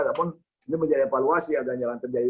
walaupun ini menjadi evaluasi agar jangan terjadi